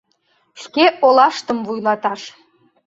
Шке олаштым вуйлаташ